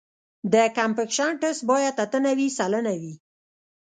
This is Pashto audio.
د کمپکشن ټسټ باید اته نوي سلنه وي